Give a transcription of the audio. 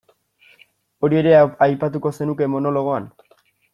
Hori ere aipatuko zenuke monologoan?